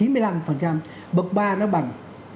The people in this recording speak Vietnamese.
bậc ba nó bằng